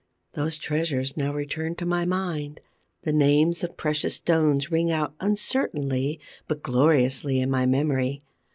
Those treasures now return to my mind: the names of precious stones ring out uncertainly but gloriously in my memory.